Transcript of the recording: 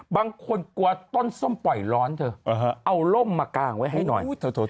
บางคนกลัวต้นส้มปล่อยร้อนเธอเอาร่มมากางไว้ให้หน่อย